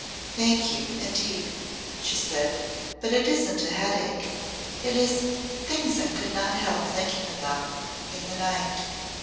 "Thank you indeed!" she said. "But it isn't headache. It is things I could not help thinking about in the night."